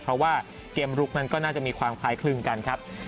เพราะว่าเกมลุกนั้นก็น่าจะมีความคล้ายคลึงกันครับ